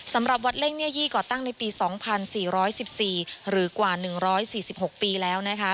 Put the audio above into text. สำหรับวัดเล่งเยยี่ก่อตั้งในปี๒๔๑๔หรือกว่า๑๔๖ปีแล้วนะคะ